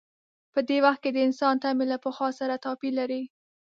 په دې وخت کې د انسان تمې له پخوا سره توپیر لري.